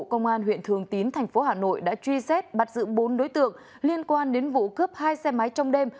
công an huyện thường tín tp hà nội đã truy xét bắt dự bốn đối tượng liên quan đến vụ cướp hai xe máy trong đêm